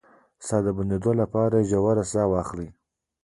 د ساه د بندیدو لپاره ژوره ساه واخلئ